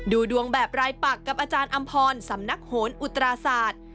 ดูดวงแบบรายปักกับอาจารย์อำพรสำนักโหนอุตราศาสตร์